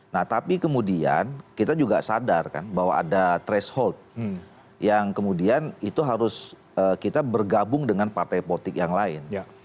nah tapi kemudian kita juga sadar kan bahwa ada threshold yang kemudian itu harus kita bergabung dengan partai politik yang lain